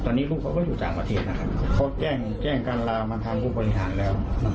ตอนนี้ลูกเขาก็อยู่ต่างประเทศนะครับเขาแจ้งการลามาทางผู้บริหารแล้ว